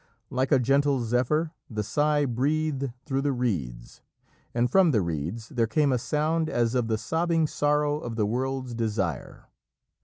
Like a gentle zephyr the sigh breathed through the reeds, and from the reeds there came a sound as of the sobbing sorrow of the world's desire.